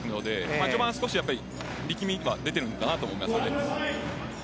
序盤は力みが出ているのかなと思います。